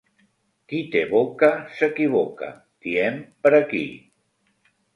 Qui té boca s'equivoca, diem per aquí.